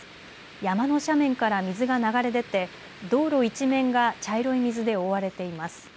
山の斜面から水が流れ出て道路一面が茶色い水で覆われています。